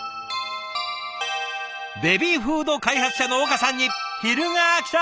ベビーフード開発者の岡さんに昼がきた！